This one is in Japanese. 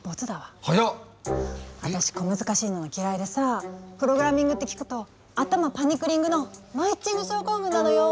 私小難しいのが嫌いでさプログラミングって聞くと頭パニクリングのマイッチング症候群なのよ。